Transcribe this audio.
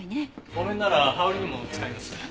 木綿なら羽織にも使います。